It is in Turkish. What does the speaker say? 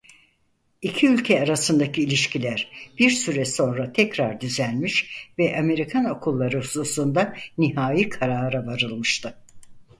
İki ülke arasındaki ilişkiler bir süre sonra tekrar düzelmiş ve Amerikan Okulları hususunda nihai karara varılmıştı.